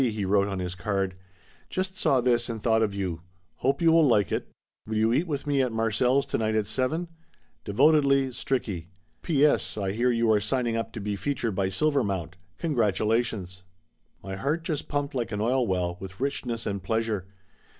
he wrote on his card. "Just saw this and thought of you. Hope you will like it. Will you eat with me at Marcelle's to night at seven? Devotedly Stricky. P. S. I hear you are signing up to be fea tured by Silvermount. Congratulations !" My heart just pumped like an oil well, with richness and pleasure.